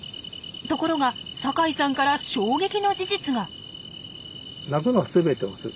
ところが酒井さんから衝撃の事実が！